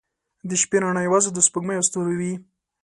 • د شپې رڼا یوازې د سپوږمۍ او ستورو وي.